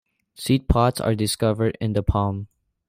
Seed pods are discovered in the palm.